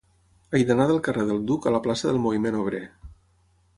He d'anar del carrer del Duc a la plaça del Moviment Obrer.